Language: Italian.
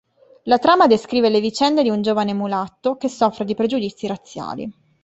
La trama descrive le vicende di un giovane mulatto che soffre di pregiudizi razziali.